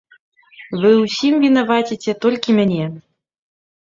Вы ўсім вінаваціце толькі мяне.